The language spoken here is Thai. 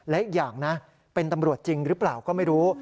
และอีกอย่างนะเป็นตำรวจจริงหรือเปล่าก็ไม่รู้